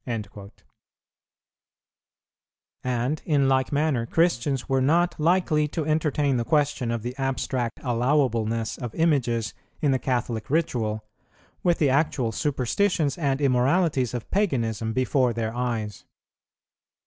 "[118:1] And, in like manner, Christians were not likely to entertain the question of the abstract allowableness of images in the Catholic ritual, with the actual superstitions and immoralities of paganism before their eyes.